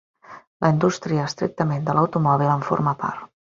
La indústria, estrictament, de l'automòbil en forma part.